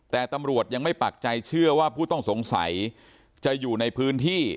แต่ตำรวจยังไม่ปักใจเชื่อว่าผู้ต้องสงสัยจะอยู่ในพื้นที่